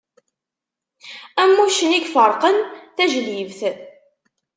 Am uccen i yefeṛqen tajlibt.